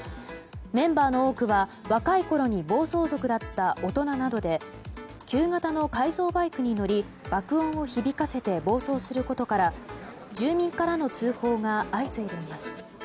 メンバーの多くは若いころに暴走族だった大人などで旧型の改造バイクに乗り爆音を響かせて暴走することから住民からの通報が相次いでいます。